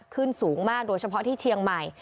สูงมากโดยเฉพาะที่เชียงใหม่